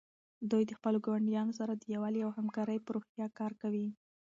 دوی د خپلو ګاونډیانو سره د یووالي او همکارۍ په روحیه کار کوي.